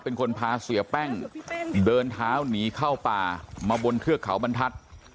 เป็นคนพาเสียแป้งเดินเท้าหนีเข้าป่ามาบนเทือกเขาบรรทัศน์